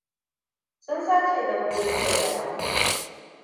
Sun sace dabbobi da dawakai.